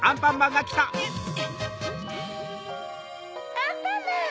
アンパンマン！